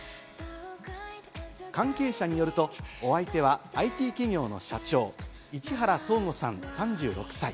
関係者によると、お相手はＩＴ企業の社長・市原創吾さん、３６歳。